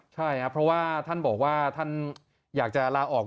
ใช่ครับเพราะว่าท่านบอกว่าท่านอยากจะลาออก